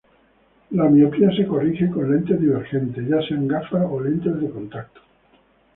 La miopía se corrige con lentes divergentes, ya sean gafas o lentes de contacto.